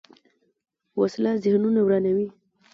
وسله ذهنونه ورانوي